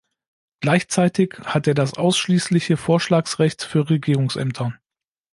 Gleichzeitig hat er das ausschließliche Vorschlagsrecht für Regierungsämter.